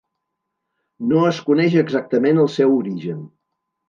No es coneix exactament el seu origen.